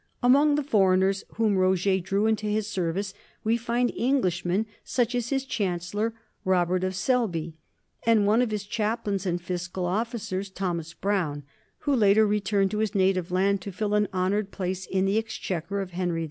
Among the foreigners whom Roger drew into his service we find Englishmen such as his chancellor, Robert of Selby, and one of his chaplains and fiscal officers, Thomas Brown, who later returned to his native land to fill an honored place in the ex chequer of Henry II.